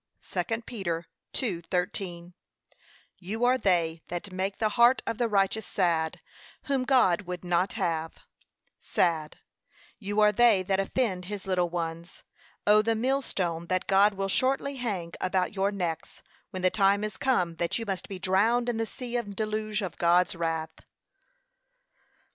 (2 Peter 2:13) You are they that make the heart of the righteous sad, whom God would not have, sad; you are they that offend his little ones. Oh! the millstone that God will shortly hang about your necks, when the time is come that you must be drowned in the sea and deluge of God's wrath. 3.